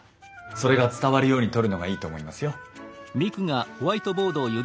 それが伝わるように撮るのがいいと思いますよ。